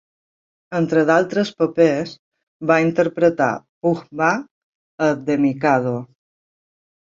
Entre d'altres papers, va interpretar Pooh-Bah a "The Mikado".